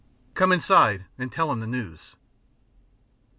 Come inside and tell him the news."